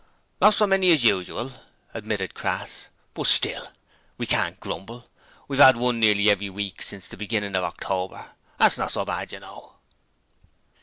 'Not so many as usual,' admitted Crass, 'but still, we can't grumble: we've 'ad one nearly every week since the beginning of October. That's not so bad, you know.'